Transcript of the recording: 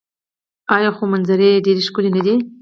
آیا خو منظرې یې ډیرې ښکلې نه دي؟